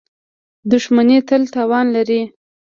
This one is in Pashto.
• دښمني تل تاوان لري.